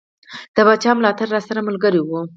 د پاچا ملاتړ راسره ملګری وو.